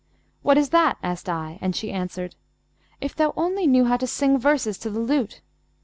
'What is that?' asked I, and she answered, If thou only knew how to sing verses to the lute!'